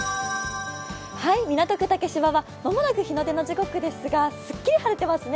港区竹芝は間もなく日の出の時刻ですがすっきり晴れてますね。